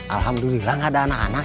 alhamdulillah gak ada anak anak